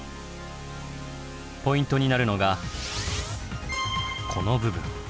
ポイントになるのがこの部分。